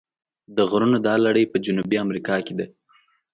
د غرونو دا لړۍ په جنوبي امریکا کې ده.